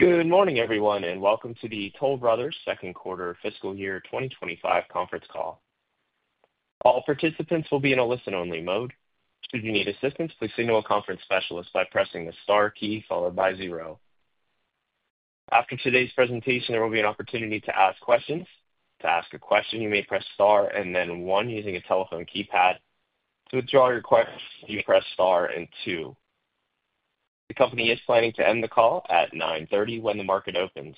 Good morning, everyone, and welcome to the Toll Brothers Second Quarter Fiscal Year 2025 conference call. All participants will be in a listen-only mode. Should you need assistance, please signal a conference specialist by pressing the star key followed by zero. After today's presentation, there will be an opportunity to ask questions. To ask a question, you may press star and then one using a telephone keypad. To withdraw your question, you press star and two. The company is planning to end the call at 9:30 A.M. when the market opens.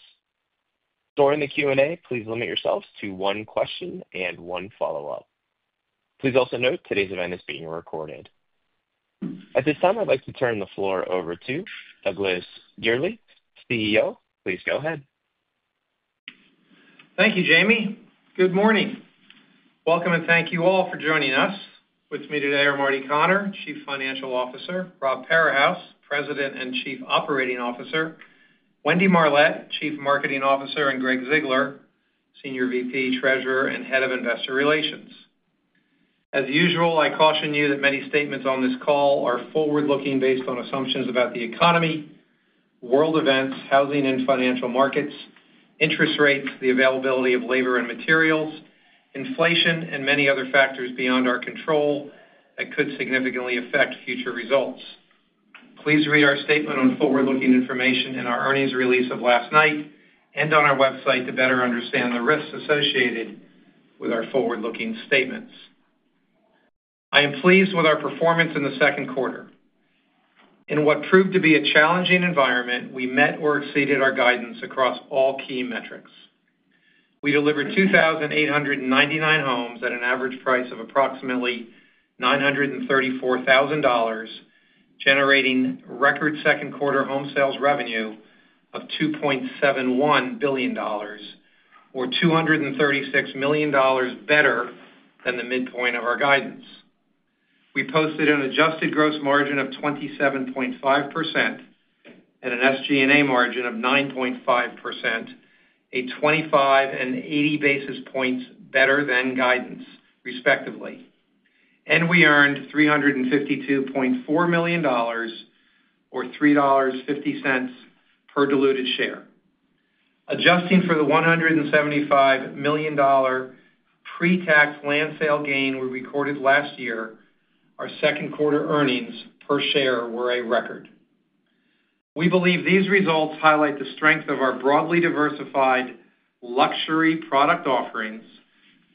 During the Q&A, please limit yourselves to one question and one follow-up. Please also note today's event is being recorded. At this time, I'd like to turn the floor over to Douglas Yearley, CEO. Please go ahead. Thank you, Jamie. Good morning. Welcome, and thank you all for joining us. With me today are Marty Connor, Chief Financial Officer; Rob Parahus, President and Chief Operating Officer; Wendy Marlett, Chief Marketing Officer; and Gregg Ziegler, Senior VP, Treasurer, and Head of Investor Relations. As usual, I caution you that many statements on this call are forward-looking based on assumptions about the economy, world events, housing and financial markets, interest rates, the availability of labor and materials, inflation, and many other factors beyond our control that could significantly affect future results. Please read our statement on forward-looking information in our earnings release of last night and on our website to better understand the risks associated with our forward-looking statements. I am pleased with our performance in the second quarter. In what proved to be a challenging environment, we met or exceeded our guidance across all key metrics. We delivered 2,899 homes at an average price of approximately $934,000, generating record second quarter home sales revenue of $2.71 billion, or $236 million better than the midpoint of our guidance. We posted an adjusted gross margin of 27.5% and an SG&A margin of 9.5%, 25 and 80 basis points better than guidance, respectively. We earned $352.4 million, or $3.50 per diluted share. Adjusting for the $175 million pre-tax land sale gain we recorded last year, our second quarter earnings per share were a record. We believe these results highlight the strength of our broadly diversified luxury product offerings,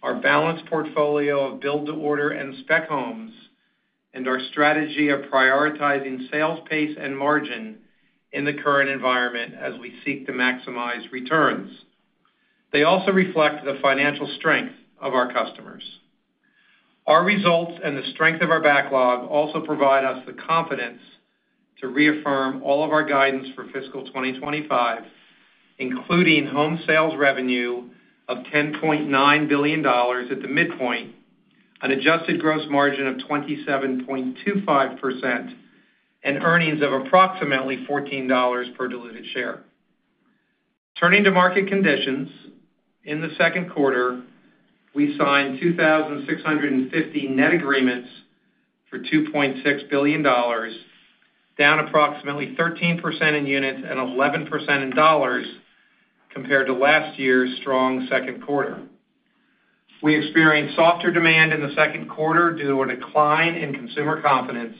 our balanced portfolio of build-to-order and spec homes, and our strategy of prioritizing sales pace and margin in the current environment as we seek to maximize returns. They also reflect the financial strength of our customers. Our results and the strength of our backlog also provide us the confidence to reaffirm all of our guidance for fiscal 2025, including home sales revenue of $10.9 billion at the midpoint, an adjusted gross margin of 27.25%, and earnings of approximately $14 per diluted share. Turning to market conditions, in the second quarter, we signed 2,650 net agreements for $2.6 billion, down approximately 13% in units and 11% in dollars compared to last year's strong second quarter. We experienced softer demand in the second quarter due to a decline in consumer confidence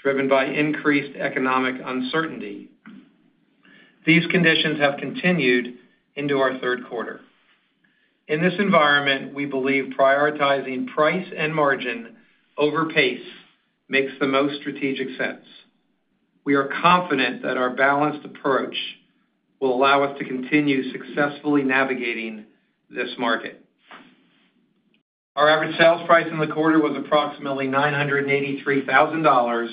driven by increased economic uncertainty. These conditions have continued into our third quarter. In this environment, we believe prioritizing price and margin over pace makes the most strategic sense. We are confident that our balanced approach will allow us to continue successfully navigating this market. Our average sales price in the quarter was approximately $983,000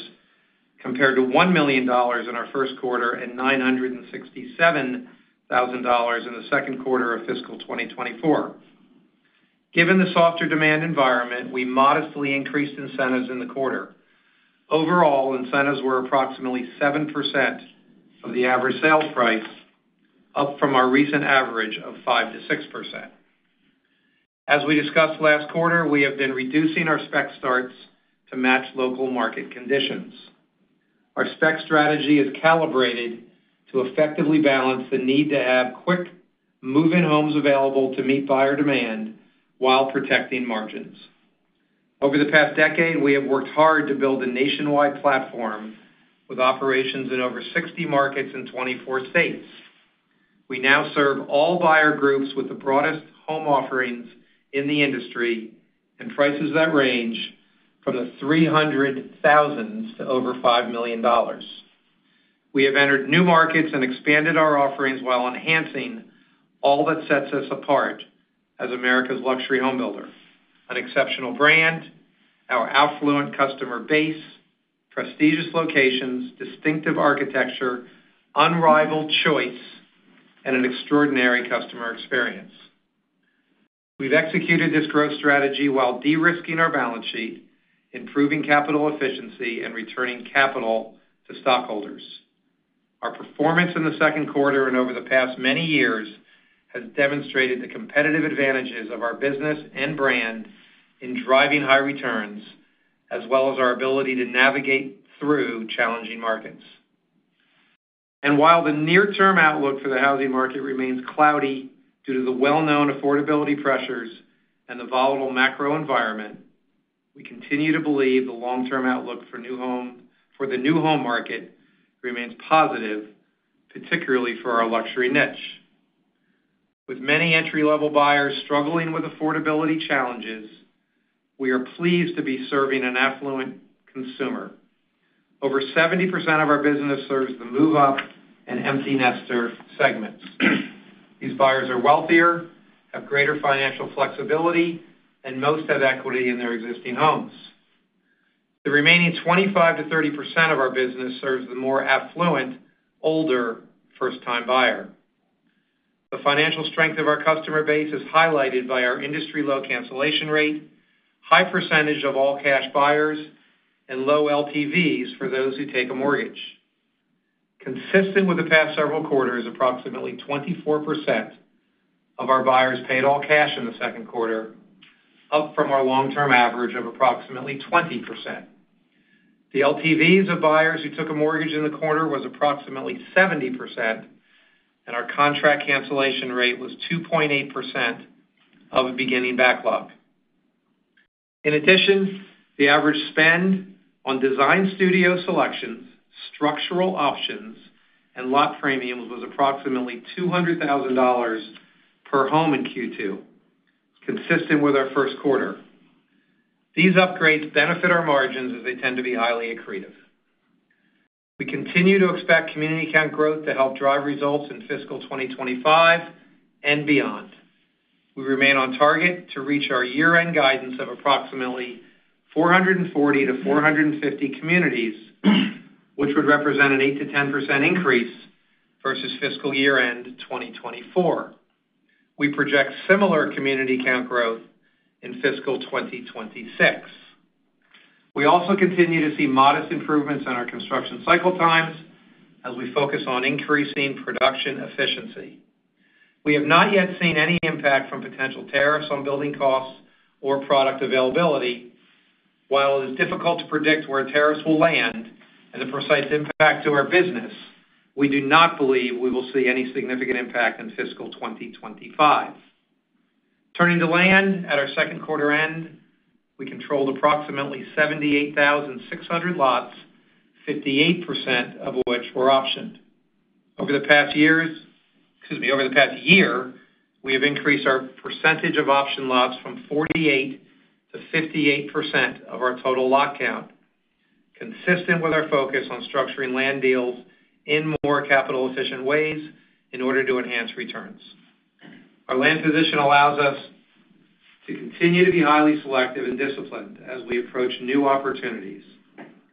compared to $1 million in our first quarter and $967,000 in the second quarter of fiscal 2024. Given the softer demand environment, we modestly increased incentives in the quarter. Overall, incentives were approximately 7% of the average sales price, up from our recent average of 5-6%. As we discussed last quarter, we have been reducing our spec starts to match local market conditions. Our spec strategy is calibrated to effectively balance the need to have quick, move-in homes available to meet buyer demand while protecting margins. Over the past decade, we have worked hard to build a nationwide platform with operations in over 60 markets in 24 states. We now serve all buyer groups with the broadest home offerings in the industry and prices that range from the $300,000 to over $5 million. We have entered new markets and expanded our offerings while enhancing all that sets us apart as America's luxury home builder: an exceptional brand, our affluent customer base, prestigious locations, distinctive architecture, unrivaled choice, and an extraordinary customer experience. We have executed this growth strategy while de-risking our balance sheet, improving capital efficiency, and returning capital to stockholders. Our performance in the second quarter and over the past many years has demonstrated the competitive advantages of our business and brand in driving high returns, as well as our ability to navigate through challenging markets. While the near-term outlook for the housing market remains cloudy due to the well-known affordability pressures and the volatile macro environment, we continue to believe the long-term outlook for the new home market remains positive, particularly for our luxury niche. With many entry-level buyers struggling with affordability challenges, we are pleased to be serving an affluent consumer. Over 70% of our business serves the move-up and empty-nester segments. These buyers are wealthier, have greater financial flexibility, and most have equity in their existing homes. The remaining 25-30% of our business serves the more affluent, older first-time buyer. The financial strength of our customer base is highlighted by our industry low cancellation rate, high percentage of all-cash buyers, and low LTVs for those who take a mortgage. Consistent with the past several quarters, approximately 24% of our buyers paid all cash in the second quarter, up from our long-term average of approximately 20%. The LTVs of buyers who took a mortgage in the quarter was approximately 70%, and our contract cancellation rate was 2.8% of a beginning backlog. In addition, the average spend on design studio selections, structural options, and lot premiums was approximately $200,000 per home in Q2, consistent with our first quarter. These upgrades benefit our margins as they tend to be highly accretive. We continue to expect community count growth to help drive results in fiscal 2025 and beyond. We remain on target to reach our year-end guidance of approximately 440-450 communities, which would represent an 8%-10% increase versus fiscal year-end 2024. We project similar community count growth in fiscal 2026. We also continue to see modest improvements in our construction cycle times as we focus on increasing production efficiency. We have not yet seen any impact from potential tariffs on building costs or product availability. While it is difficult to predict where tariffs will land and the precise impact to our business, we do not believe we will see any significant impact in fiscal 2025. Turning to land at our second quarter end, we controlled approximately 78,600 lots, 58% of which were optioned. Over the past year, we have increased our percentage of option lots from 48% to 58% of our total lot count, consistent with our focus on structuring land deals in more capital-efficient ways in order to enhance returns. Our land position allows us to continue to be highly selective and disciplined as we approach new opportunities.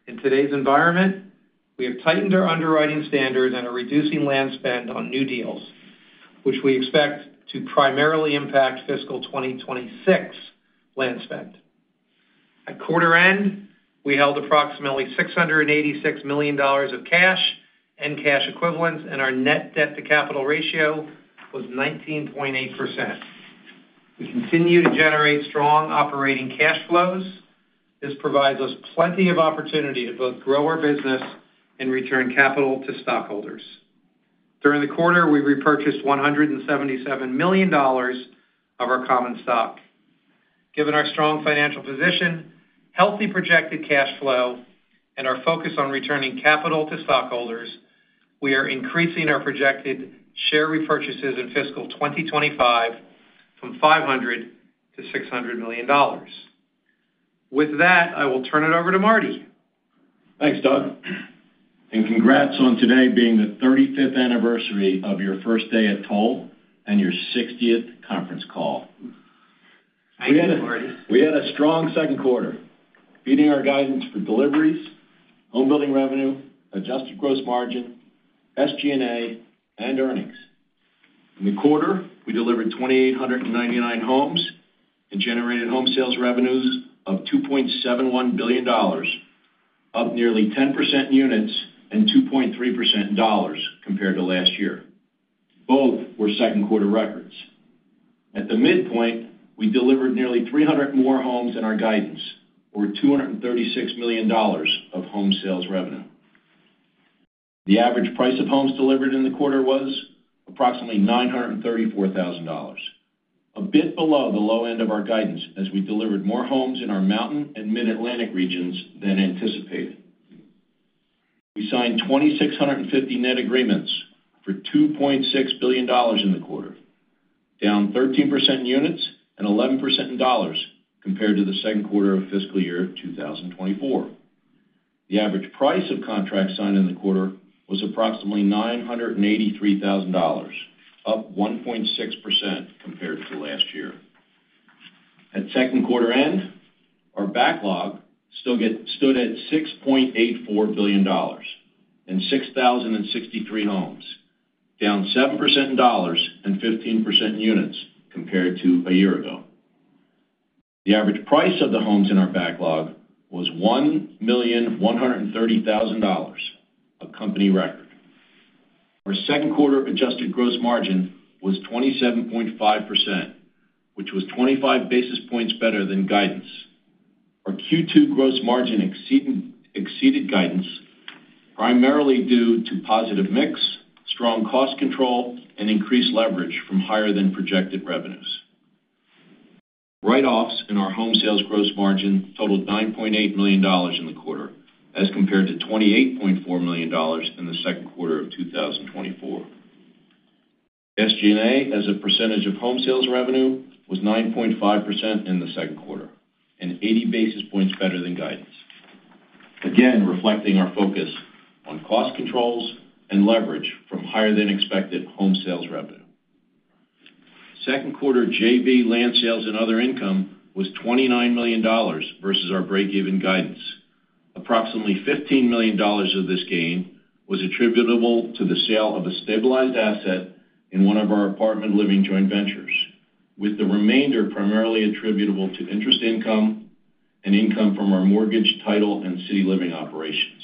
In today's environment, we have tightened our underwriting standard and are reducing land spend on new deals, which we expect to primarily impact fiscal 2026 land spend. At quarter end, we held approximately $686 million of cash and cash equivalents, and our net debt-to-capital ratio was 19.8%. We continue to generate strong operating cash flows. This provides us plenty of opportunity to both grow our business and return capital to stockholders. During the quarter, we repurchased $177 million of our common stock. Given our strong financial position, healthy projected cash flow, and our focus on returning capital to stockholders, we are increasing our projected share repurchases in fiscal 2025 from $500 million to $600 million. With that, I will turn it over to Marty. Thanks, Doug. Congrats on today being the 35th anniversary of your first day at Toll and your 60th conference call. Thank you, Marty. We had a strong second quarter, beating our guidance for deliveries, home building revenue, adjusted gross margin, SG&A, and earnings. In the quarter, we delivered 2,899 homes and generated home sales revenues of $2.71 billion, up nearly 10% in units and 2.3% in dollars compared to last year. Both were second quarter records. At the midpoint, we delivered nearly 300 more homes than our guidance, or $236 million of home sales revenue. The average price of homes delivered in the quarter was approximately $934,000, a bit below the low end of our guidance as we delivered more homes in our mountain and mid-Atlantic regions than anticipated. We signed 2,650 net agreements for $2.6 billion in the quarter, down 13% in units and 11% in dollars compared to the second quarter of fiscal year 2024. The average price of contracts signed in the quarter was approximately $983,000, up 1.6% compared to last year. At second quarter end, our backlog still stood at $6.84 billion and 6,063 homes, down 7% in dollars and 15% in units compared to a year ago. The average price of the homes in our backlog was $1,130,000, a company record. Our second quarter adjusted gross margin was 27.5%, which was 25 basis points better than guidance. Our Q2 gross margin exceeded guidance primarily due to positive mix, strong cost control, and increased leverage from higher-than-projected revenues. Write-offs in our home sales gross margin totaled $9.8 million in the quarter as compared to $28.4 million in the second quarter of 2024. SG&A, as a percentage of home sales revenue, was 9.5% in the second quarter, and 80 basis points better than guidance, again reflecting our focus on cost controls and leverage from higher-than-expected home sales revenue. Second quarter JV land sales and other income was $29 million versus our break-even guidance. Approximately $15 million of this gain was attributable to the sale of a stabilized asset in one of our apartment living joint ventures, with the remainder primarily attributable to interest income and income from our mortgage, title, and city living operations.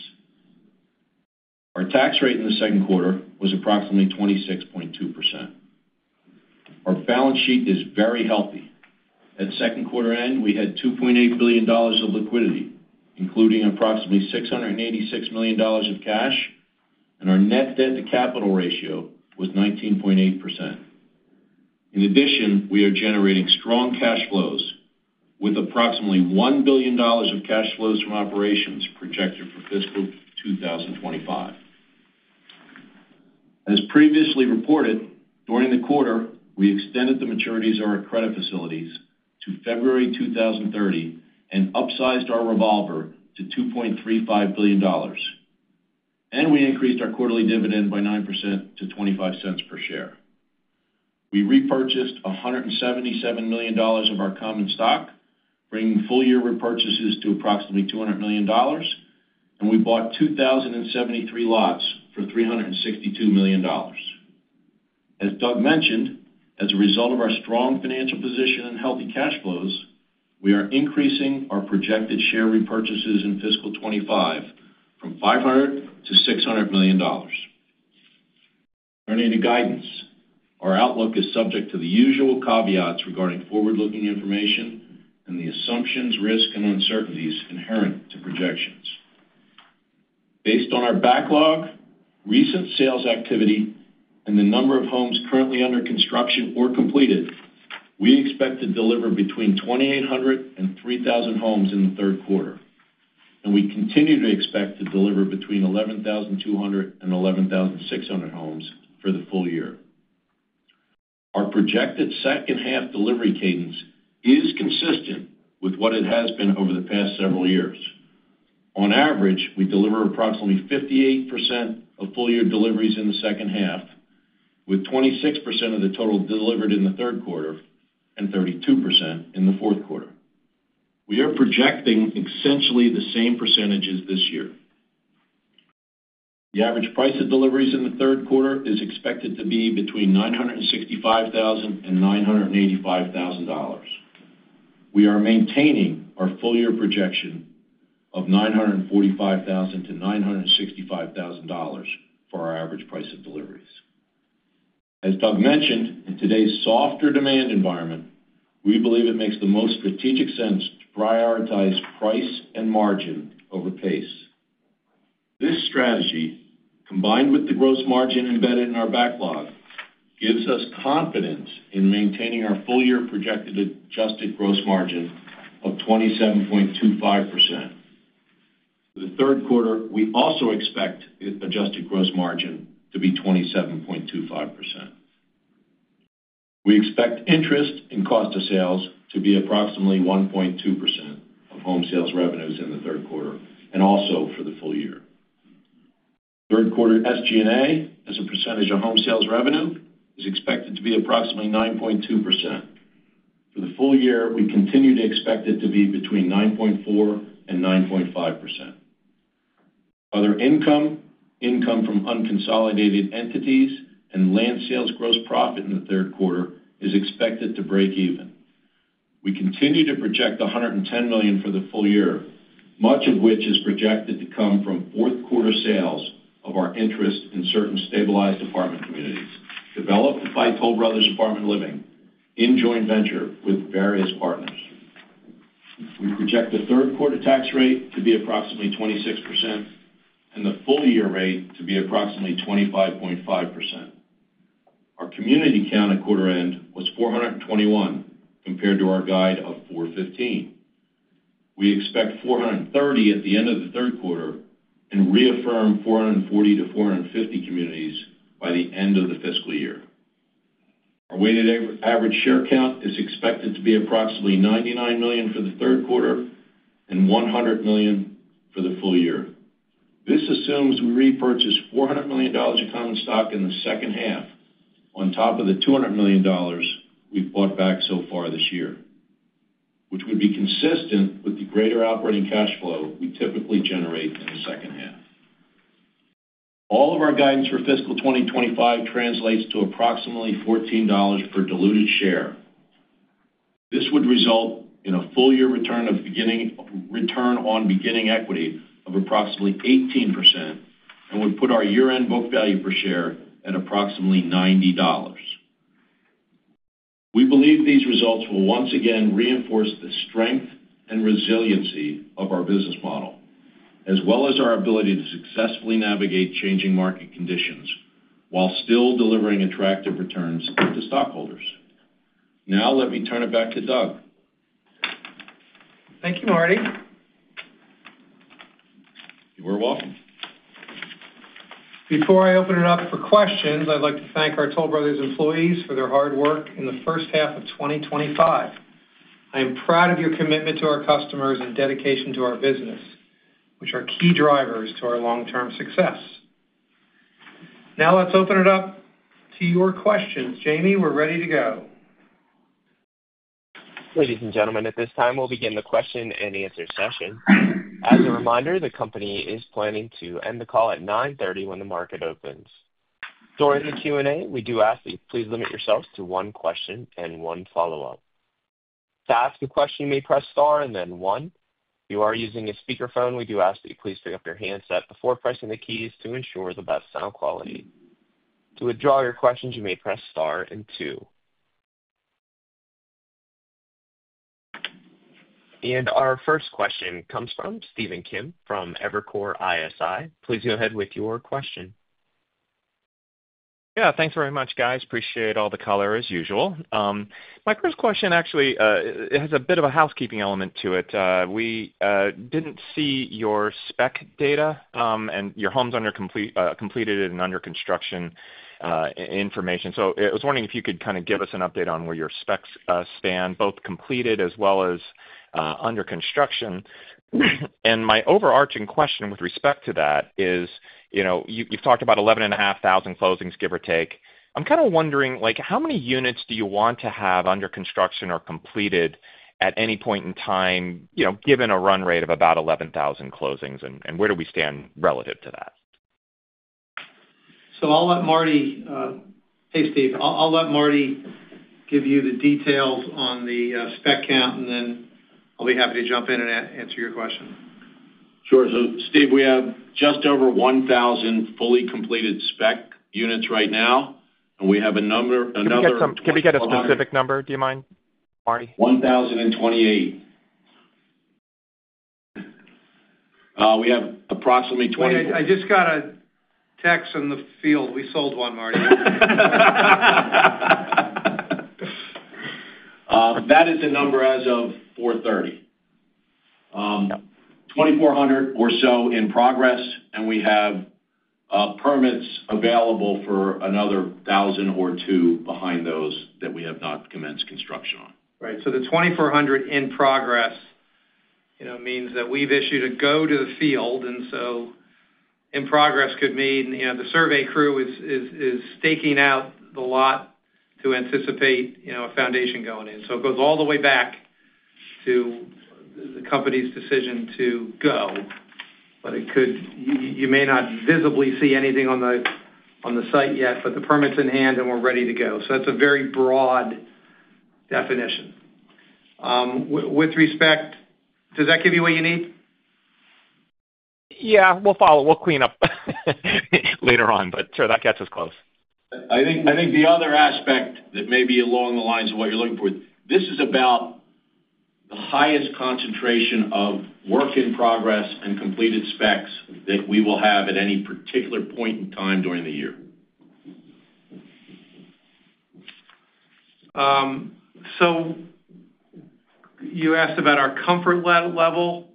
Our tax rate in the second quarter was approximately 26.2%. Our balance sheet is very healthy. At second quarter end, we had $2.8 billion of liquidity, including approximately $686 million of cash, and our net debt-to-capital ratio was 19.8%. In addition, we are generating strong cash flows with approximately $1 billion of cash flows from operations projected for fiscal 2025. As previously reported, during the quarter, we extended the maturities of our credit facilities to February 2030 and upsized our revolver to $2.35 billion, and we increased our quarterly dividend by 9% to $0.25 per share. We repurchased $177 million of our common stock, bringing full-year repurchases to approximately $200 million, and we bought 2,073 lots for $362 million. As Doug mentioned, as a result of our strong financial position and healthy cash flows, we are increasing our projected share repurchases in fiscal 2025 from $500 million to $600 million. Turning to guidance, our outlook is subject to the usual caveats regarding forward-looking information and the assumptions, risks, and uncertainties inherent to projections. Based on our backlog, recent sales activity, and the number of homes currently under construction or completed, we expect to deliver between 2,800 and 3,000 homes in the third quarter, and we continue to expect to deliver between 11,200 and 11,600 homes for the full year. Our projected second-half delivery cadence is consistent with what it has been over the past several years. On average, we deliver approximately 58% of full-year deliveries in the second half, with 26% of the total delivered in the third quarter and 32% in the fourth quarter. We are projecting essentially the same percentages this year. The average price of deliveries in the third quarter is expected to be between $965,000 and $985,000. We are maintaining our full-year projection of $945,000-$965,000 for our average price of deliveries. As Doug mentioned, in today's softer demand environment, we believe it makes the most strategic sense to prioritize price and margin over pace. This strategy, combined with the gross margin embedded in our backlog, gives us confidence in maintaining our full-year projected adjusted gross margin of 27.25%. For the third quarter, we also expect adjusted gross margin to be 27.25%. We expect interest and cost of sales to be approximately 1.2% of home sales revenues in the third quarter and also for the full year. Third quarter SG&A, as a percentage of home sales revenue, is expected to be approximately 9.2%. For the full year, we continue to expect it to be between 9.4% and 9.5%. Other income, income from unconsolidated entities, and land sales gross profit in the third quarter is expected to break even. We continue to project $110 million for the full year, much of which is projected to come from fourth quarter sales of our interest in certain stabilized apartment communities developed by Toll Brothers Apartment Living in joint venture with various partners. We project the third quarter tax rate to be approximately 26% and the full-year rate to be approximately 25.5%. Our community count at quarter end was 421 compared to our guide of 415. We expect 430 at the end of the third quarter and reaffirm 440-450 communities by the end of the fiscal year. Our weighted average share count is expected to be approximately $99 million for the third quarter and $100 million for the full year. This assumes we repurchase $400 million of common stock in the second half on top of the $200 million we've bought back so far this year, which would be consistent with the greater operating cash flow we typically generate in the second half. All of our guidance for fiscal 2025 translates to approximately $14 per diluted share. This would result in a full-year return on beginning equity of approximately 18% and would put our year-end book value per share at approximately $90. We believe these results will once again reinforce the strength and resiliency of our business model, as well as our ability to successfully navigate changing market conditions while still delivering attractive returns to stockholders. Now, let me turn it back to Doug. Thank you, Marty. You're welcome. Before I open it up for questions, I'd like to thank our Toll Brothers employees for their hard work in the first half of 2025. I am proud of your commitment to our customers and dedication to our business, which are key drivers to our long-term success. Now, let's open it up to your questions. Jamie, we're ready to go. Ladies and gentlemen, at this time, we'll begin the question and answer session. As a reminder, the company is planning to end the call at 9:30 A.M. when the market opens. During the Q&A, we do ask that you please limit yourselves to one question and one follow-up. To ask a question, you may press star and then one. If you are using a speakerphone, we do ask that you please pick up your handset before pressing the keys to ensure the best sound quality. To withdraw your questions, you may press star and two. Our first question comes from Stephen Kim from Evercore ISI. Please go ahead with your question. Yeah, thanks very much, guys. Appreciate all the color as usual. My first question, actually, it has a bit of a housekeeping element to it. We did not see your spec data and your homes under completed and under construction information. I was wondering if you could kind of give us an update on where your specs stand, both completed as well as under construction. My overarching question with respect to that is, you have talked about 11,500 closings, give or take. I am kind of wondering, how many units do you want to have under construction or completed at any point in time, given a run rate of about 11,000 closings, and where do we stand relative to that? I'll let Marty—hey, Steve. I'll let Marty give you the details on the spec count, and then I'll be happy to jump in and answer your question. Sure. So Steve, we have just over 1,000 fully completed spec units right now, and we have another. Can we get a specific number? Do you mind? 1,028. We have approximately 20. I just got a text in the field. We sold one, Marty. That is the number as of April 30. 2,400 or so in progress, and we have permits available for another 1,000 or 2,000 behind those that we have not commenced construction on. Right. The 2,400 in progress means that we've issued a go-to-the-field, and in progress could mean the survey crew is staking out the lot to anticipate a foundation going in. It goes all the way back to the company's decision to go, but you may not visibly see anything on the site yet, but the permit's in hand, and we're ready to go. That's a very broad definition. With respect, does that give you what you need? Yeah, we'll follow. We'll clean up later on, but sure, that catches us close. I think the other aspect that may be along the lines of what you're looking for, this is about the highest concentration of work in progress and completed specs that we will have at any particular point in time during the year. You asked about our comfort level.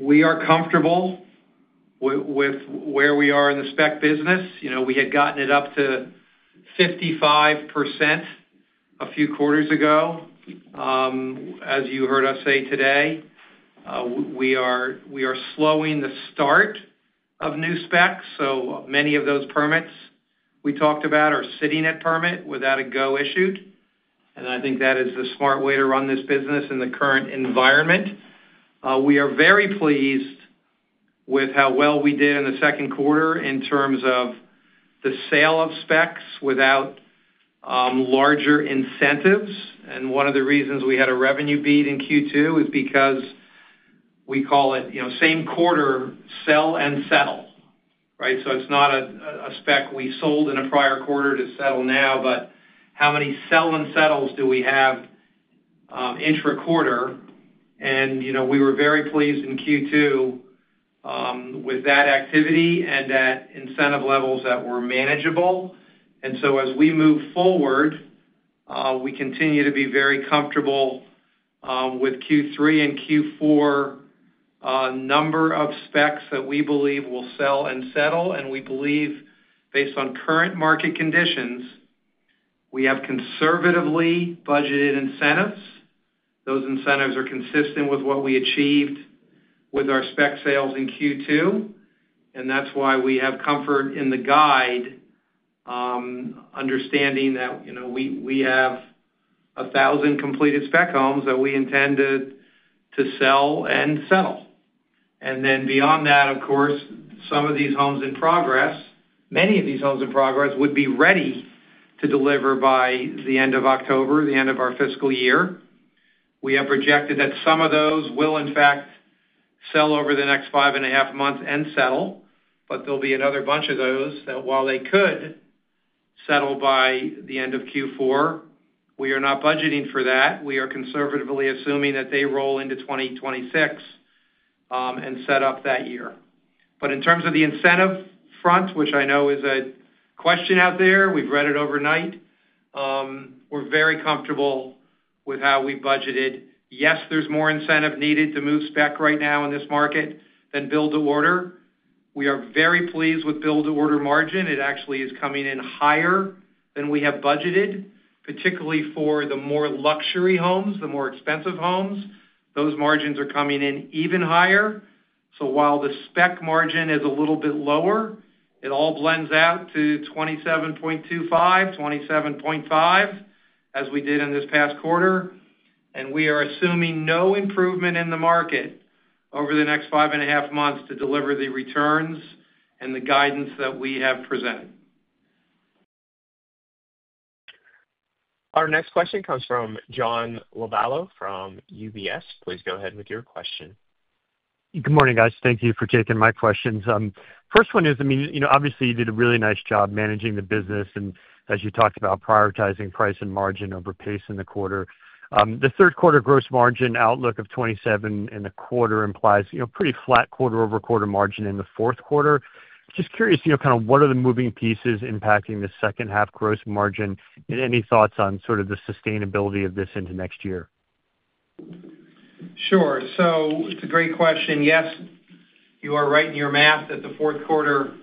We are comfortable with where we are in the spec business. We had gotten it up to 55% a few quarters ago, as you heard us say today. We are slowing the start of new specs. Many of those permits we talked about are sitting at permit without a go-issued, and I think that is the smart way to run this business in the current environment. We are very pleased with how well we did in the second quarter in terms of the sale of specs without larger incentives. One of the reasons we had a revenue beat in Q2 is because we call it same quarter sell and settle, right? It is not a spec we sold in a prior quarter to settle now, but how many sell and settles do we have intra-quarter? We were very pleased in Q2 with that activity and that incentive levels that were manageable. As we move forward, we continue to be very comfortable with Q3 and Q4 number of specs that we believe will sell and settle. We believe, based on current market conditions, we have conservatively budgeted incentives. Those incentives are consistent with what we achieved with our spec sales in Q2, and that is why we have comfort in the guide, understanding that we have 1,000 completed spec homes that we intended to sell and settle. Beyond that, of course, some of these homes in progress, many of these homes in progress, would be ready to deliver by the end of October, the end of our fiscal year. We have projected that some of those will, in fact, sell over the next five and a half months and settle, but there will be another bunch of those that, while they could settle by the end of Q4, we are not budgeting for that. We are conservatively assuming that they roll into 2026 and set up that year. In terms of the incentive front, which I know is a question out there, we have read it overnight, we are very comfortable with how we budgeted. Yes, there is more incentive needed to move spec right now in this market than build-to-order. We are very pleased with build-to-order margin. It actually is coming in higher than we have budgeted, particularly for the more luxury homes, the more expensive homes. Those margins are coming in even higher. While the spec margin is a little bit lower, it all blends out to 27.25-27.5%, as we did in this past quarter, and we are assuming no improvement in the market over the next five and a half months to deliver the returns and the guidance that we have presented. Our next question comes from John Lovallo from UBS. Please go ahead with your question. Good morning, guys. Thank you for taking my questions. First one is, I mean, obviously, you did a really nice job managing the business and, as you talked about, prioritizing price and margin over pace in the quarter. The third quarter gross margin outlook of 27% in the quarter implies a pretty flat quarter-over-quarter margin in the fourth quarter. Just curious kind of what are the moving pieces impacting the second half gross margin and any thoughts on sort of the sustainability of this into next year? Sure. So it's a great question. Yes, you are right in your math that the fourth quarter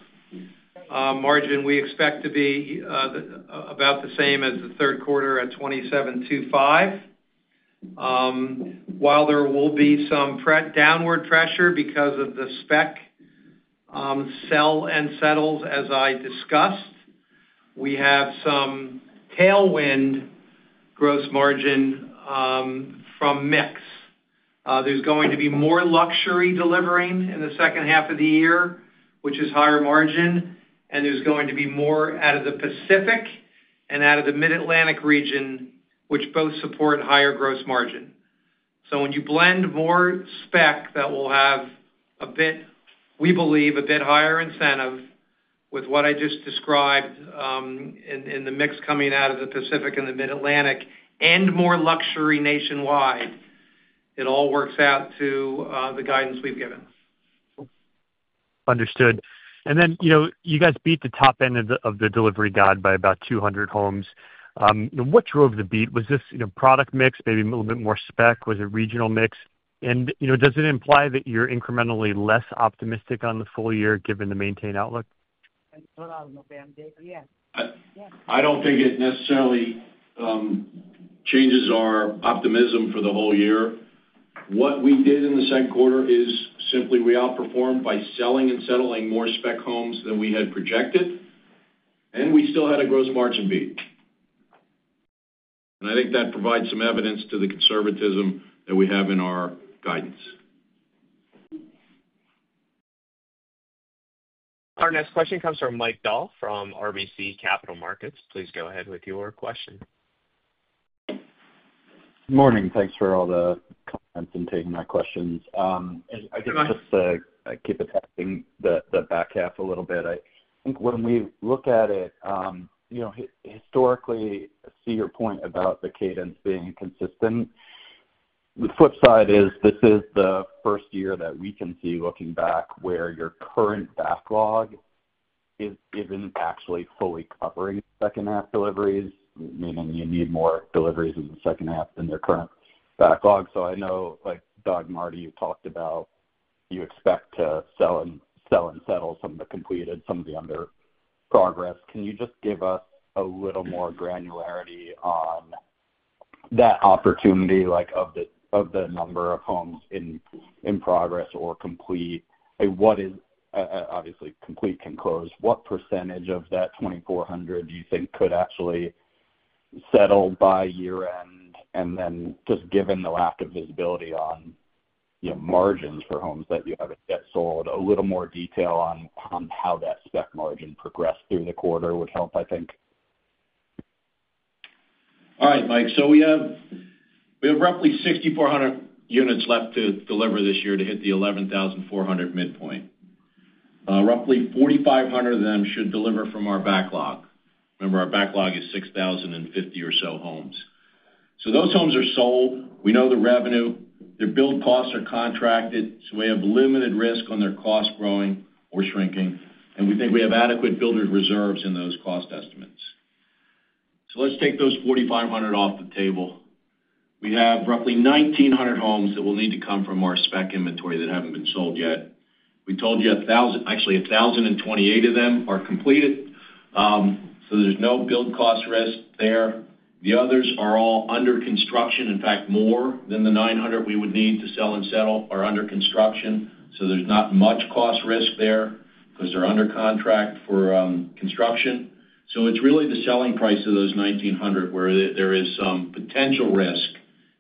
margin we expect to be about the same as the third quarter at 27.25%. While there will be some downward pressure because of the spec sell and settles, as I discussed, we have some tailwind gross margin from mix. There's going to be more luxury delivering in the second half of the year, which is higher margin, and there's going to be more out of the Pacific and out of the Mid-Atlantic region, which both support higher gross margin. When you blend more spec that will have, we believe, a bit higher incentive with what I just described in the mix coming out of the Pacific and the Mid-Atlantic and more luxury nationwide, it all works out to the guidance we've given. Understood. You guys beat the top end of the delivery guide by about 200 homes. What drove the beat? Was this product mix, maybe a little bit more spec? Was it regional mix? Does it imply that you're incrementally less optimistic on the full year given the maintained outlook? I don't think it necessarily changes our optimism for the whole year. What we did in the second quarter is simply we outperformed by selling and settling more spec homes than we had projected, and we still had a gross margin beat. I think that provides some evidence to the conservatism that we have in our guidance. Our next question comes from Mike Dahl from RBC Capital Markets. Please go ahead with your question. Good morning. Thanks for all the comments and taking my questions. I think just to keep attacking the back half a little bit, I think when we look at it, historically, I see your point about the cadence being consistent. The flip side is this is the first year that we can see looking back where your current backlog isn't actually fully covering second half deliveries, meaning you need more deliveries in the second half than their current backlog. I know, Doug, Marty, you talked about you expect to sell and settle some of the completed, some of the under progress. Can you just give us a little more granularity on that opportunity of the number of homes in progress or complete? Obviously, complete can close. What percentage of that 2,400 do you think could actually settle by year-end? Just given the lack of visibility on margins for homes that you haven't yet sold, a little more detail on how that spec margin progressed through the quarter would help, I think. All right, Mike. So we have roughly 6,400 units left to deliver this year to hit the 11,400 midpoint. Roughly 4,500 of them should deliver from our backlog. Remember, our backlog is 6,050 or so homes. So those homes are sold. We know the revenue. Their build costs are contracted, so we have limited risk on their cost growing or shrinking, and we think we have adequate builder reserves in those cost estimates. Let's take those 4,500 off the table. We have roughly 1,900 homes that will need to come from our spec inventory that have not been sold yet. We told you actually 1,028 of them are completed, so there is no build cost risk there. The others are all under construction, in fact, more than the 900 we would need to sell and settle are under construction, so there's not much cost risk there because they're under contract for construction. It is really the selling price of those 1,900 where there is some potential risk,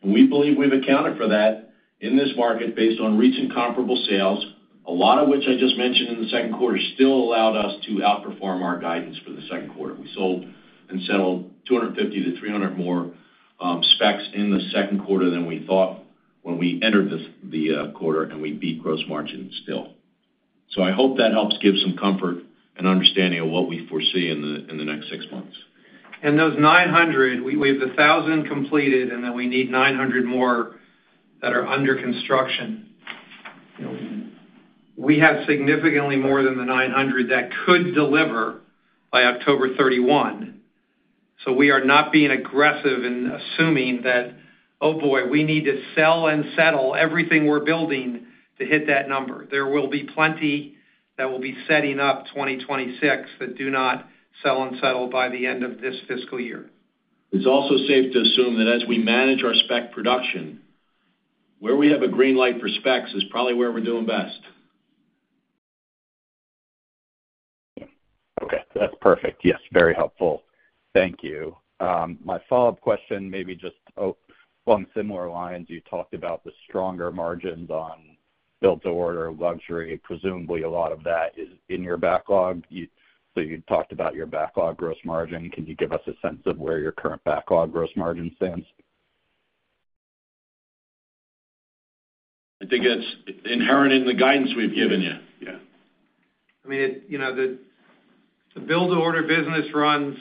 and we believe we've accounted for that in this market based on recent comparable sales, a lot of which I just mentioned in the second quarter still allowed us to outperform our guidance for the second quarter. We sold and settled 250-300 more specs in the second quarter than we thought when we entered the quarter, and we beat gross margins still. I hope that helps give some comfort and understanding of what we foresee in the next six months. Of those 900, we have the 1,000 completed, and then we need 900 more that are under construction. We have significantly more than the 900 that could deliver by October 31. We are not being aggressive in assuming that, "Oh boy, we need to sell and settle everything we're building to hit that number." There will be plenty that will be setting up 2026 that do not sell and settle by the end of this fiscal year. It's also safe to assume that as we manage our spec production, where we have a green light for specs is probably where we're doing best. Okay. That's perfect. Yes, very helpful. Thank you. My follow-up question, maybe just along similar lines, you talked about the stronger margins on build-to-order luxury. Presumably, a lot of that is in your backlog. You talked about your backlog gross margin. Can you give us a sense of where your current backlog gross margin stands? I think it's inherent in the guidance we've given you. Yeah. I mean, the build-to-order business runs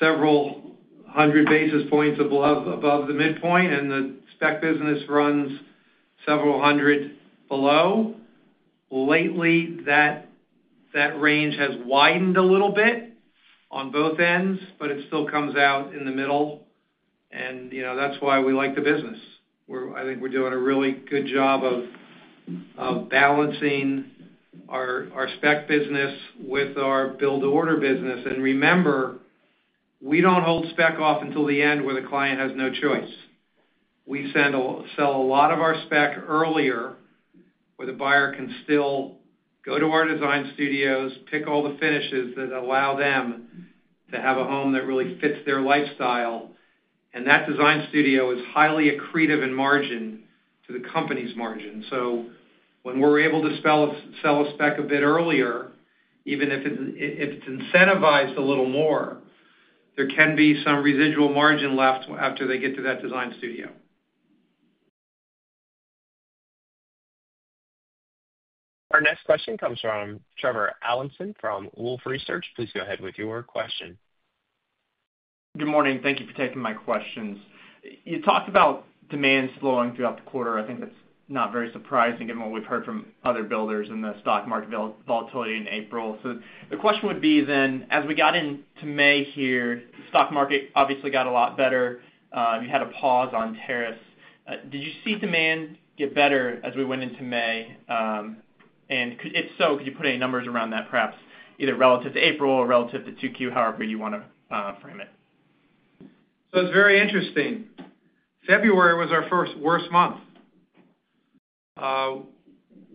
several hundred basis points above the midpoint, and the spec business runs several hundred below. Lately, that range has widened a little bit on both ends, but it still comes out in the middle, and that's why we like the business. I think we're doing a really good job of balancing our spec business with our build-to-order business. Remember, we don't hold spec off until the end where the client has no choice. We sell a lot of our spec earlier where the buyer can still go to our design studios, pick all the finishes that allow them to have a home that really fits their lifestyle, and that design studio is highly accretive in margin to the company's margin. When we're able to sell a spec a bit earlier, even if it's incentivized a little more, there can be some residual margin left after they get to that design studio. Our next question comes from Trevor Allinson from Wolfe Research. Please go ahead with your question. Good morning. Thank you for taking my questions. You talked about demand slowing throughout the quarter. I think that's not very surprising given what we've heard from other builders and the stock market volatility in April. The question would be then, as we got into May here, the stock market obviously got a lot better. You had a pause on tariffs. Did you see demand get better as we went into May? If so, could you put any numbers around that, perhaps either relative to April or relative to Q2, however you want to frame it? It's very interesting. February was our first worst month.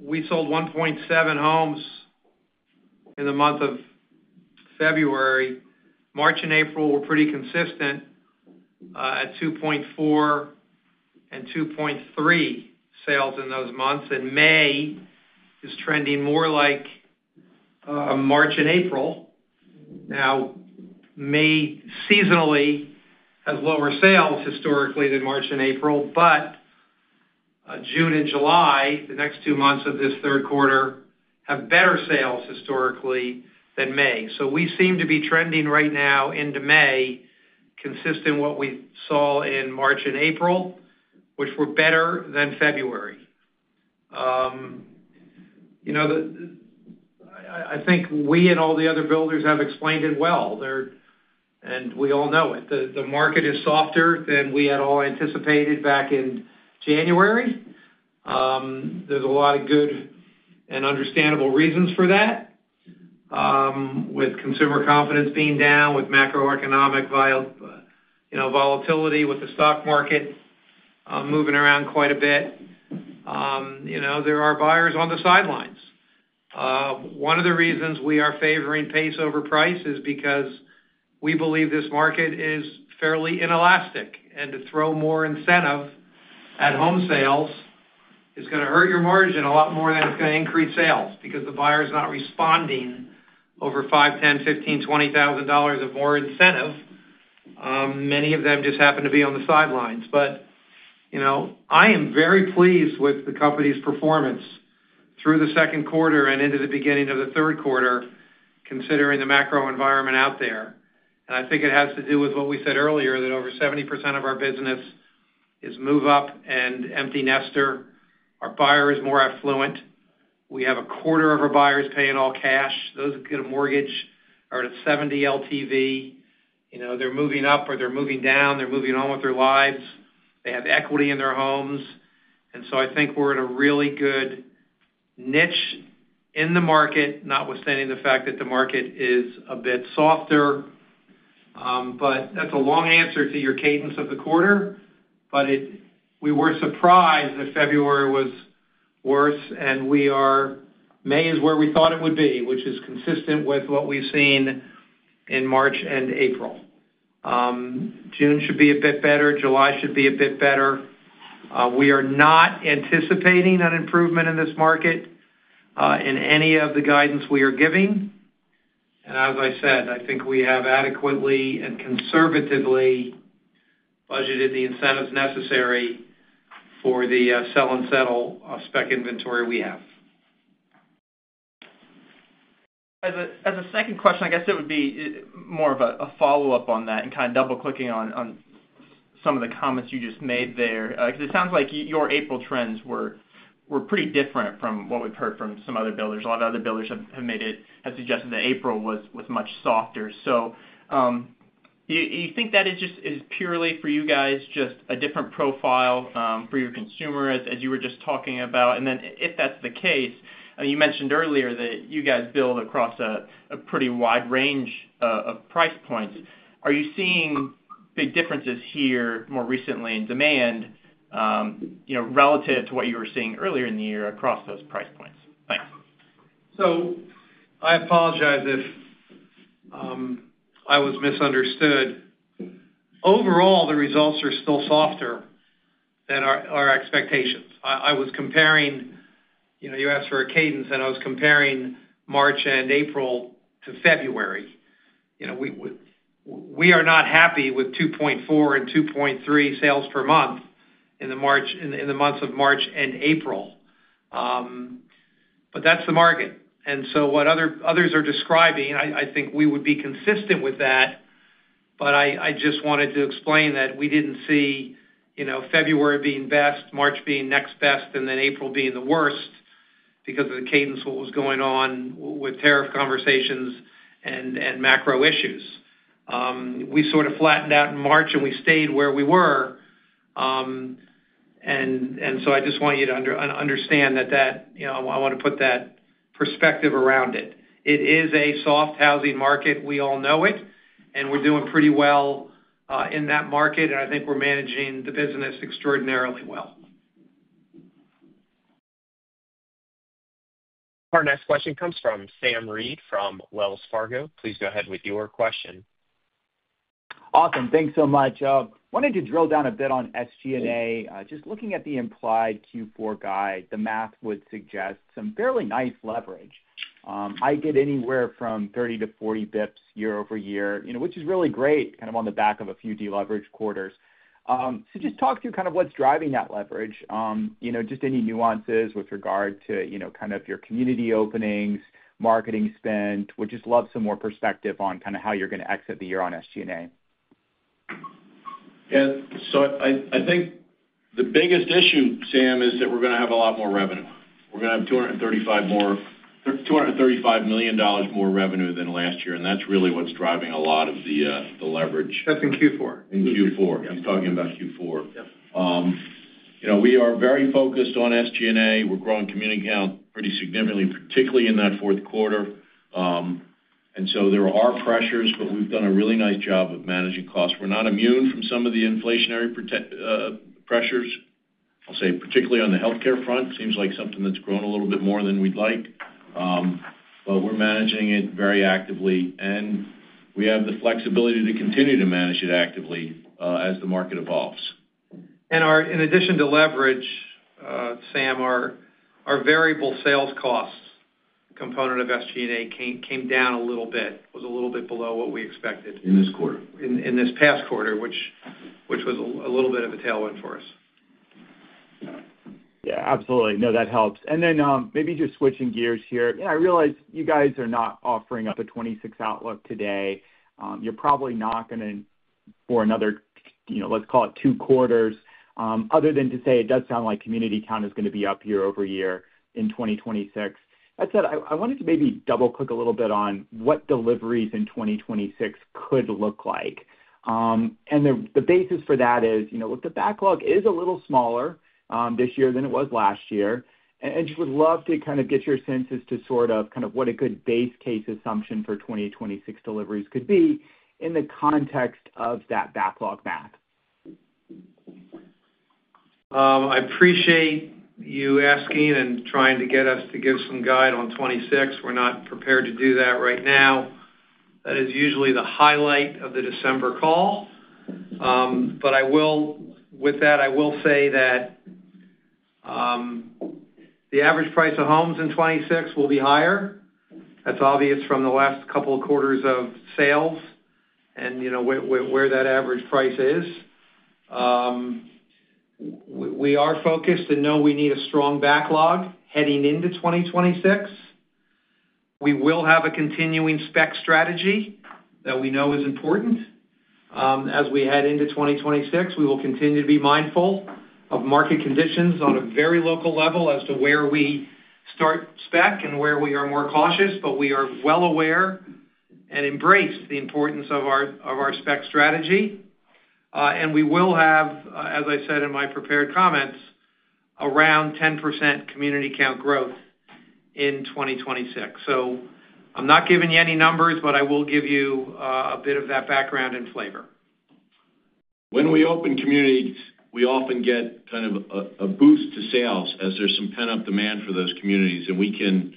We sold 1.7 homes in the month of February. March and April were pretty consistent at 2.4 and 2.3 sales in those months, and May is trending more like March and April. May seasonally has lower sales historically than March and April, but June and July, the next two months of this third quarter, have better sales historically than May. We seem to be trending right now into May consistent with what we saw in March and April, which were better than February. I think we and all the other builders have explained it well, and we all know it. The market is softer than we had all anticipated back in January. There's a lot of good and understandable reasons for that, with consumer confidence being down, with macroeconomic volatility, with the stock market moving around quite a bit. There are buyers on the sidelines. One of the reasons we are favoring pace over price is because we believe this market is fairly inelastic, and to throw more incentive at home sales is going to hurt your margin a lot more than it's going to increase sales because the buyer is not responding over $5,000, $10,000, $15,000, $20,000 of more incentive. Many of them just happen to be on the sidelines. I am very pleased with the company's performance through the second quarter and into the beginning of the third quarter, considering the macro environment out there. I think it has to do with what we said earlier, that over 70% of our business is move up and empty nester. Our buyer is more affluent. We have a quarter of our buyers paying all cash. Those who get a mortgage are at 70% LTV. They're moving up or they're moving down. They're moving on with their lives. They have equity in their homes. I think we're in a really good niche in the market, notwithstanding the fact that the market is a bit softer. That is a long answer to your cadence of the quarter, but we were surprised that February was worse, and May is where we thought it would be, which is consistent with what we've seen in March and April. June should be a bit better. July should be a bit better. We are not anticipating an improvement in this market in any of the guidance we are giving. As I said, I think we have adequately and conservatively budgeted the incentives necessary for the sell and settle spec inventory we have. As a second question, I guess it would be more of a follow-up on that and kind of double-clicking on some of the comments you just made there because it sounds like your April trends were pretty different from what we've heard from some other builders. A lot of other builders have suggested that April was much softer. Do you think that is purely for you guys just a different profile for your consumer, as you were just talking about? If that's the case, you mentioned earlier that you guys build across a pretty wide range of price points. Are you seeing big differences here more recently in demand relative to what you were seeing earlier in the year across those price points? Thanks. I apologize if I was misunderstood. Overall, the results are still softer than our expectations. I was comparing—you asked for a cadence—and I was comparing March and April to February. We are not happy with 2.4 and 2.3 sales per month in the months of March and April, but that's the market. What others are describing, I think we would be consistent with that, but I just wanted to explain that we did not see February being best, March being next best, and then April being the worst because of the cadence, what was going on with tariff conversations and macro issues. We sort of flattened out in March, and we stayed where we were. I just want you to understand that I want to put that perspective around it. It is a soft housing market. We all know it, and we're doing pretty well in that market, and I think we're managing the business extraordinarily well. Our next question comes from Sam Reed from Wells Fargo. Please go ahead with your question. Awesome. Thanks so much. I wanted to drill down a bit on SG&A. Just looking at the implied Q4 guide, the math would suggest some fairly nice leverage. I get anywhere from 30 to 40 basis points year over year, which is really great kind of on the back of a few deleveraged quarters. Just talk through kind of what's driving that leverage, just any nuances with regard to kind of your community openings, marketing spend. We'd just love some more perspective on kind of how you're going to exit the year on SG&A. Yeah. I think the biggest issue, Sam, is that we're going to have a lot more revenue. We're going to have $235 million more revenue than last year, and that's really what's driving a lot of the leverage. That's in Q4. In Q4. I'm talking about Q4. We are very focused on SG&A. We're growing community count pretty significantly, particularly in that fourth quarter. There are pressures, but we've done a really nice job of managing costs. We're not immune from some of the inflationary pressures. I'll say particularly on the healthcare front, seems like something that's grown a little bit more than we'd like, but we're managing it very actively, and we have the flexibility to continue to manage it actively as the market evolves. In addition to leverage, Sam, our variable sales costs component of SG&A came down a little bit. It was a little bit below what we expected. In this quarter. In this past quarter, which was a little bit of a tailwind for us. Yeah. Absolutely. No, that helps. Maybe just switching gears here, I realize you guys are not offering up a 2026 outlook today. You're probably not going to for another, let's call it, two quarters. Other than to say it does sound like community count is going to be up year over year in 2026. That said, I wanted to maybe double-click a little bit on what deliveries in 2026 could look like. The basis for that is the backlog is a little smaller this year than it was last year. I just would love to kind of get your sense as to sort of kind of what a good base case assumption for 2026 deliveries could be in the context of that backlog math. I appreciate you asking and trying to get us to give some guide on 2026. We're not prepared to do that right now. That is usually the highlight of the December call. With that, I will say that the average price of homes in 2026 will be higher. That's obvious from the last couple of quarters of sales and where that average price is. We are focused and know we need a strong backlog heading into 2026. We will have a continuing spec strategy that we know is important. As we head into 2026, we will continue to be mindful of market conditions on a very local level as to where we start spec and where we are more cautious, but we are well aware and embrace the importance of our spec strategy. We will have, as I said in my prepared comments, around 10% community count growth in 2026. I'm not giving you any numbers, but I will give you a bit of that background and flavor. When we open communities, we often get kind of a boost to sales as there's some pent-up demand for those communities, and we can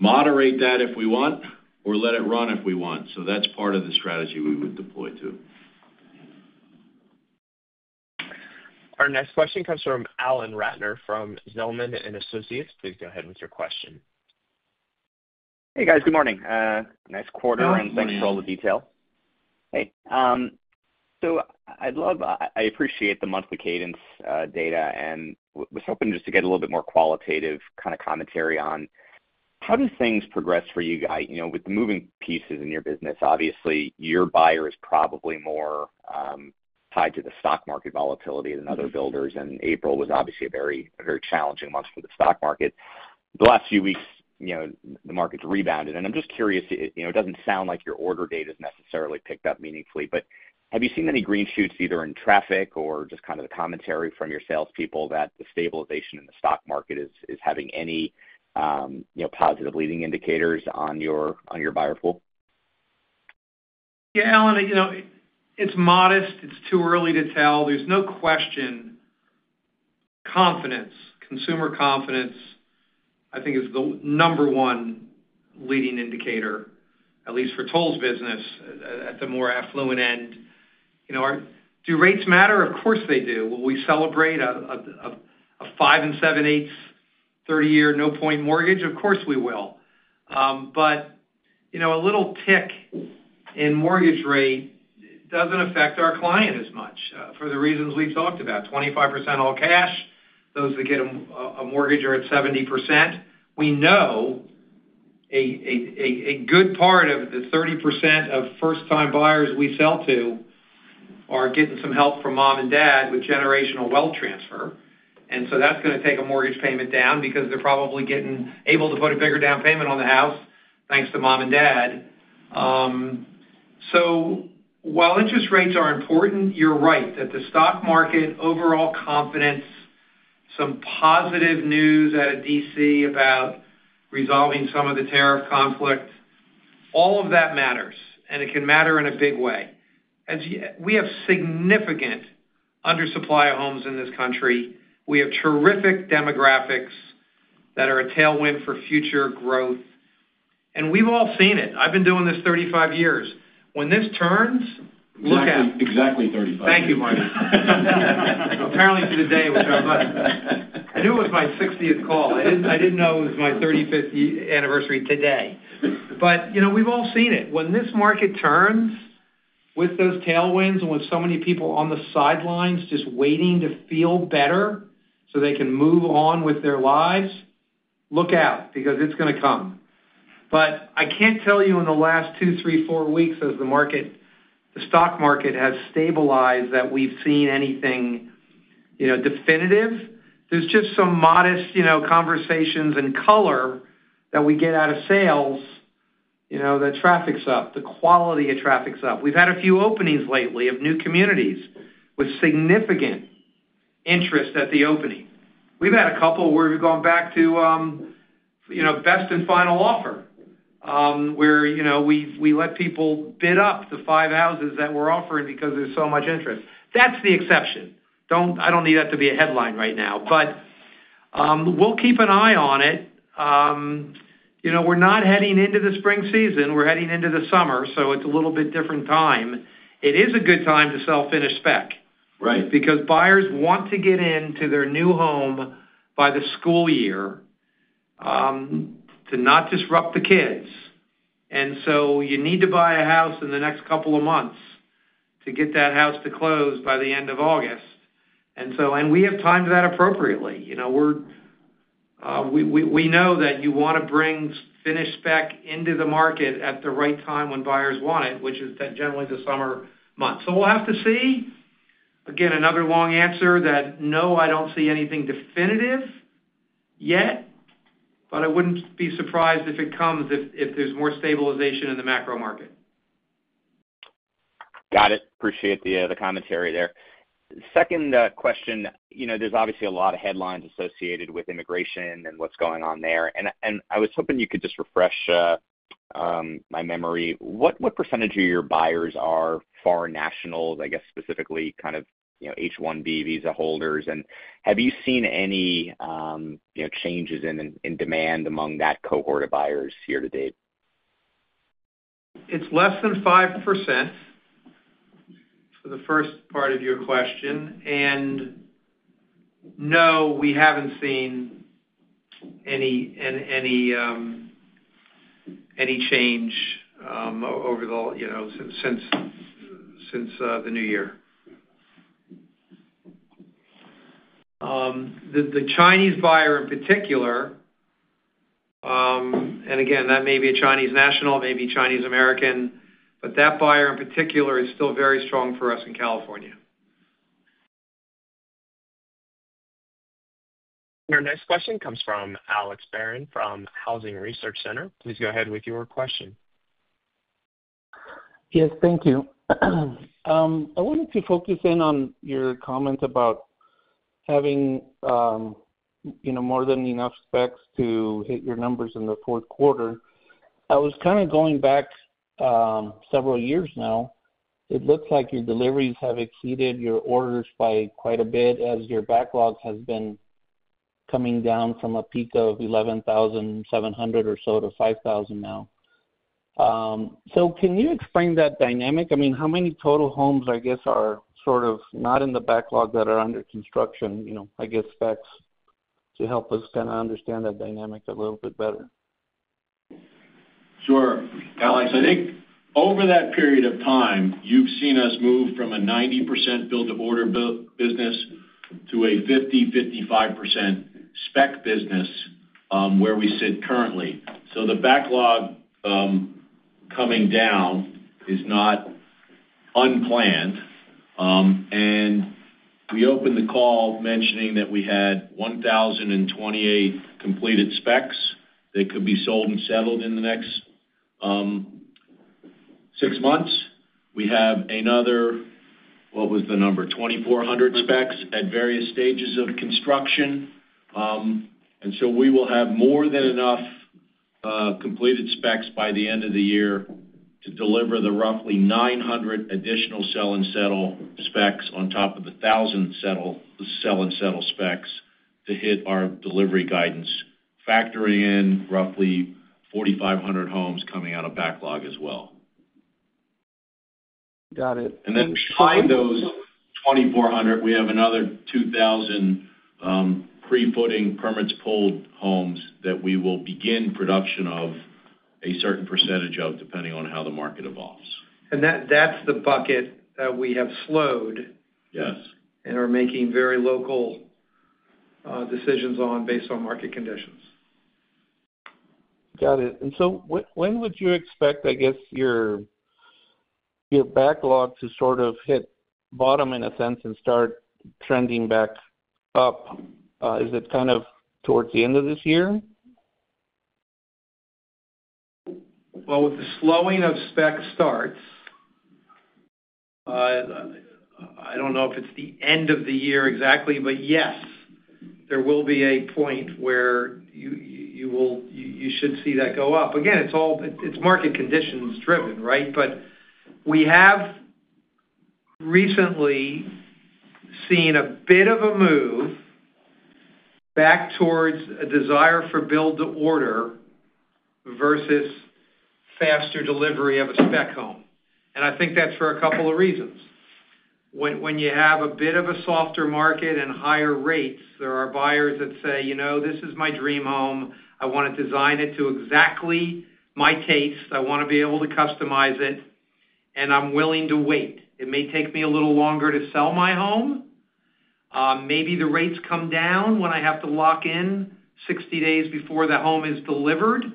moderate that if we want or let it run if we want. That is part of the strategy we would deploy too. Our next question comes from Alan Ratner from Zelman & Associates. Please go ahead with your question. Hey, guys. Good morning. Nice quarter and thanks for all the detail. Hey. I appreciate the monthly cadence data and was hoping just to get a little bit more qualitative kind of commentary on how do things progress for you guys with the moving pieces in your business. Obviously, your buyer is probably more tied to the stock market volatility than other builders, and April was obviously a very challenging month for the stock market. The last few weeks, the market's rebounded. I'm just curious, it doesn't sound like your order data has necessarily picked up meaningfully, but have you seen any green shoots either in traffic or just kind of the commentary from your salespeople that the stabilization in the stock market is having any positive leading indicators on your buyer pool? Yeah, Alan, it's modest. It's too early to tell. There's no question. Confidence, consumer confidence, I think is the number one leading indicator, at least for Toll's business at the more affluent end. Do rates matter? Of course they do. Will we celebrate a 5 and 7/8, 30-year no-point mortgage? Of course we will. A little tick in mortgage rate doesn't affect our client as much for the reasons we've talked about. 25% all cash. Those that get a mortgage are at 70%. We know a good part of the 30% of first-time buyers we sell to are getting some help from mom and dad with generational wealth transfer. That is going to take a mortgage payment down because they're probably able to put a bigger down payment on the house thanks to mom and dad. While interest rates are important, you're right that the stock market, overall confidence, some positive news out of DC about resolving some of the tariff conflict, all of that matters, and it can matter in a big way. We have significant undersupply of homes in this country. We have terrific demographics that are a tailwind for future growth. And we've all seen it. I've been doing this 35 years. When this turns, look at it. Exactly 35 years. Thank you, Marty. Apparently to the day, which I was like, "I knew it was my 60th call. I did not know it was my 35th anniversary today." We have all seen it. When this market turns with those tailwinds and with so many people on the sidelines just waiting to feel better so they can move on with their lives, look out because it is going to come. I cannot tell you in the last two, three, four weeks as the stock market has stabilized that we have seen anything definitive. There are just some modest conversations and color that we get out of sales that traffic is up, the quality of traffic is up. We have had a few openings lately of new communities with significant interest at the opening. We've had a couple where we've gone back to best and final offer where we let people bid up the five houses that we're offering because there's so much interest. That's the exception. I don't need that to be a headline right now, but we'll keep an eye on it. We're not heading into the spring season. We're heading into the summer, so it's a little bit different time. It is a good time to sell finished spec because buyers want to get into their new home by the school year to not disrupt the kids. You need to buy a house in the next couple of months to get that house to close by the end of August. We have timed that appropriately. We know that you want to bring finished spec into the market at the right time when buyers want it, which is generally the summer months. We will have to see. Again, another long answer that no, I do not see anything definitive yet, but I would not be surprised if it comes if there is more stabilization in the macro market. Got it. Appreciate the commentary there. Second question, there's obviously a lot of headlines associated with immigration and what's going on there. I was hoping you could just refresh my memory. What percentage of your buyers are foreign nationals, I guess specifically kind of H-1B visa holders? Have you seen any changes in demand among that cohort of buyers year to date? It's less than 5% for the first part of your question. No, we haven't seen any change over the since the new year. The Chinese buyer in particular, and again, that may be a Chinese national, may be Chinese American, but that buyer in particular is still very strong for us in California. Our next question comes from Alex Barron from Housing Research Center. Please go ahead with your question. Yes, thank you. I wanted to focus in on your comments about having more than enough specs to hit your numbers in the fourth quarter. I was kind of going back several years now. It looks like your deliveries have exceeded your orders by quite a bit as your backlog has been coming down from a peak of 11,700 or so to 5,000 now. Can you explain that dynamic? I mean, how many total homes, I guess, are sort of not in the backlog that are under construction, I guess specs to help us kind of understand that dynamic a little bit better? Sure. Alex, I think over that period of time, you've seen us move from a 90% build-to-order business to a 50-55% spec business where we sit currently. The backlog coming down is not unplanned. We opened the call mentioning that we had 1,028 completed specs that could be sold and settled in the next six months. We have another, what was the number, 2,400 specs at various stages of construction. We will have more than enough completed specs by the end of the year to deliver the roughly 900 additional sell and settle specs on top of the 1,000 sell and settle specs to hit our delivery guidance, factoring in roughly 4,500 homes coming out of backlog as well. Got it. Beside those 2,400, we have another 2,000 pre-footing permits pulled homes that we will begin production of a certain percentage of depending on how the market evolves. That is the bucket that we have slowed and are making very local decisions on based on market conditions. Got it. And so when would you expect, I guess, your backlog to sort of hit bottom in a sense and start trending back up? Is it kind of towards the end of this year? With the slowing of spec starts, I do not know if it is the end of the year exactly, but yes, there will be a point where you should see that go up. Again, it is market conditions driven, right? We have recently seen a bit of a move back towards a desire for build-to-order versus faster delivery of a spec home. I think that is for a couple of reasons. When you have a bit of a softer market and higher rates, there are buyers that say, "This is my dream home. I want to design it to exactly my taste. I want to be able to customize it, and I am willing to wait. It may take me a little longer to sell my home. Maybe the rates come down when I have to lock in 60 days before the home is delivered.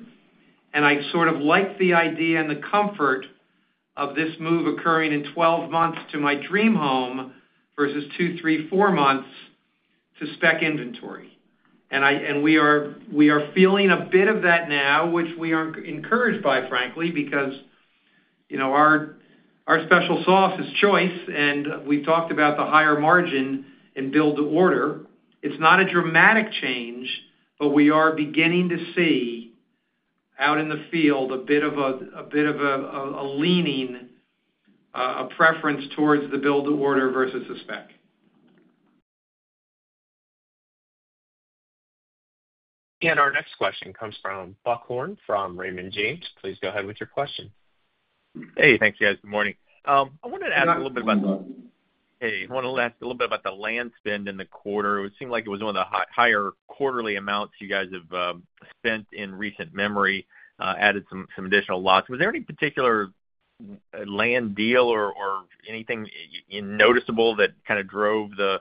I sort of like the idea and the comfort of this move occurring in 12 months to my dream home versus 2, 3, 4 months to spec inventory. We are feeling a bit of that now, which we are not encouraged by, frankly, because our special sauce is choice. We have talked about the higher margin and build-to-order. It is not a dramatic change, but we are beginning to see out in the field a bit of a leaning, a preference towards the build-to-order versus the spec. Our next question comes from Buck Horne from Raymond James. Please go ahead with your question. Hey, thanks, guys. Good morning. I wanted to ask a little bit about the—hey, I wanted to ask a little bit about the land spend in the quarter. It seemed like it was one of the higher quarterly amounts you guys have spent in recent memory, added some additional lots. Was there any particular land deal or anything noticeable that kind of drove the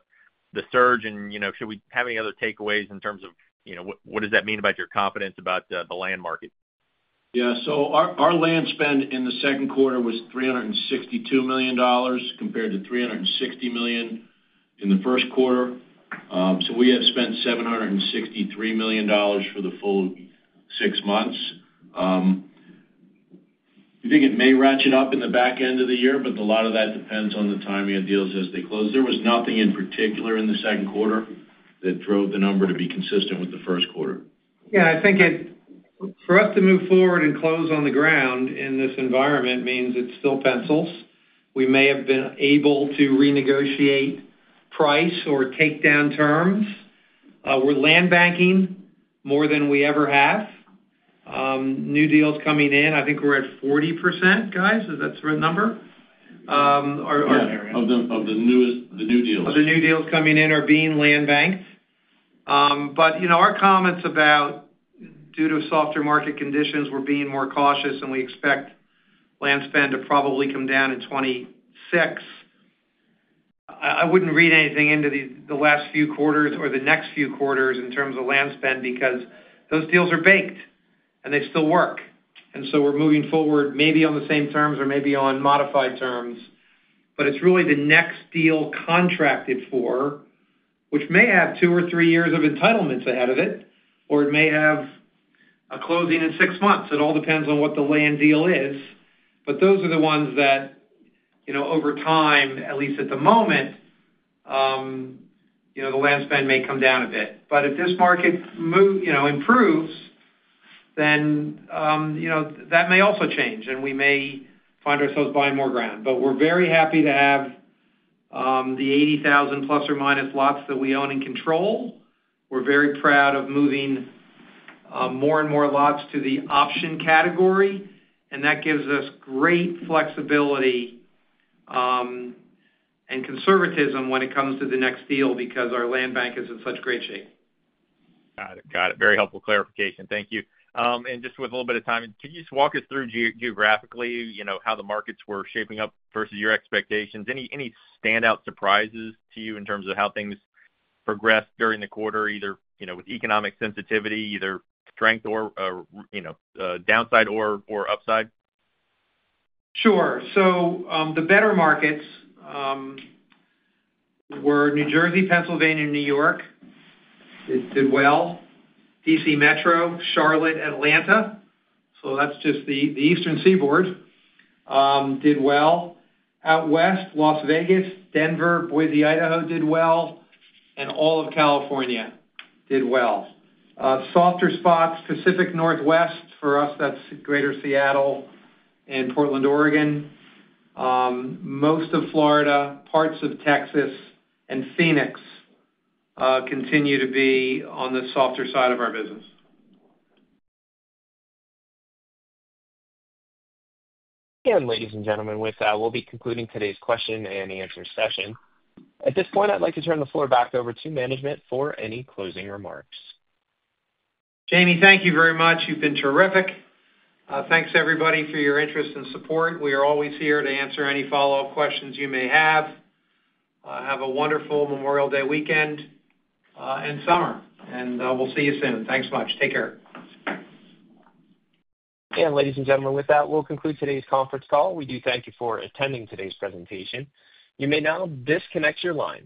surge? Should we have any other takeaways in terms of what does that mean about your confidence about the land market? Yeah. So our land spend in the second quarter was $362 million compared to $360 million in the first quarter. So we have spent $763 million for the full six months. I think it may ratchet up in the back end of the year, but a lot of that depends on the timing of deals as they close. There was nothing in particular in the second quarter that drove the number to be consistent with the first quarter. Yeah. I think for us to move forward and close on the ground in this environment means it still pencils. We may have been able to renegotiate price or take down terms. We're land banking more than we ever have. New deals coming in. I think we're at 40%, guys. Is that the right number? Yeah, of the new deals. Of the new deals coming in are being land banked. Our comments about due to softer market conditions, we're being more cautious, and we expect land spend to probably come down in 2026. I would not read anything into the last few quarters or the next few quarters in terms of land spend because those deals are baked and they still work. We are moving forward maybe on the same terms or maybe on modified terms. It is really the next deal contracted for, which may have two or three years of entitlements ahead of it, or it may have a closing in six months. It all depends on what the land deal is. Those are the ones that over time, at least at the moment, the land spend may come down a bit. If this market improves, then that may also change, and we may find ourselves buying more ground. We are very happy to have the 80,000 plus or minus lots that we own and control. We are very proud of moving more and more lots to the option category. That gives us great flexibility and conservatism when it comes to the next deal because our land bank is in such great shape. Got it. Got it. Very helpful clarification. Thank you. With a little bit of time, can you just walk us through geographically how the markets were shaping up versus your expectations? Any standout surprises to you in terms of how things progressed during the quarter, either with economic sensitivity, either strength or downside or upside? Sure. So the better markets were New Jersey, Pennsylvania, New York. It did well. DC Metro, Charlotte, Atlanta. That is just the Eastern Seaboard did well. Out west, Las Vegas, Denver, Boise, Idaho did well, and all of California did well. Softer spots, Pacific Northwest for us, that is greater Seattle and Portland, Oregon. Most of Florida, parts of Texas, and Phoenix continue to be on the softer side of our business. Ladies and gentlemen, with that, we'll be concluding today's question and answer session. At this point, I'd like to turn the floor back over to management for any closing remarks. Jamie, thank you very much. You've been terrific. Thanks, everybody, for your interest and support. We are always here to answer any follow-up questions you may have. Have a wonderful Memorial Day weekend and summer, and we'll see you soon. Thanks so much. Take care. Ladies and gentlemen, with that, we'll conclude today's conference call. We do thank you for attending today's presentation. You may now disconnect your lines.